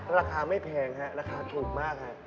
ราคาไม่แพงฮะราคาถูกมากฮะ